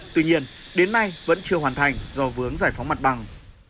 tuy nhiên đến nay vẫn chưa hoàn thành do vướng giải phóng mặt bằng